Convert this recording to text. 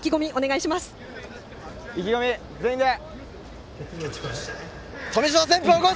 意気込み、全員で！